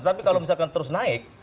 tapi kalau misalkan terus naik